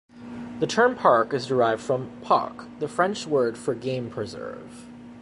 The term park is derived from "parc", the French word for game preserve.